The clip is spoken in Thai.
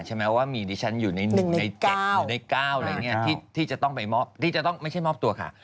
ใช่ไหมว่ามีดิฉันอยู่ในหนึ่งในเก้าอะไรอย่างนี้ที่จะต้องไปมอบไม่ใช่มอบตัวค่ะ